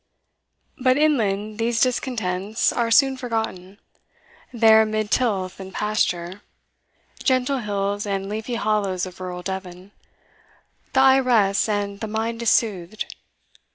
But inland these discontents are soon forgotten; there amid tilth and pasture, gentle hills and leafy hollows of rural Devon, the eye rests and the mind is soothed.